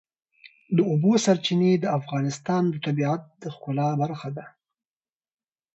د اوبو سرچینې د افغانستان د طبیعت د ښکلا برخه ده.